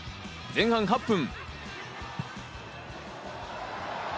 前半８分。